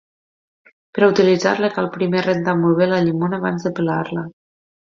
Per a utilitzar-la cal primer rentar molt bé la llimona abans de pelar-la.